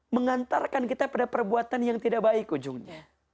mengantarkan kita pada perbuatan yang tidak baik ujungnya